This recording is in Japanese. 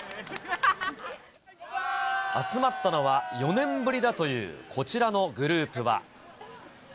集まったのは４年ぶりだというこちらのグループは。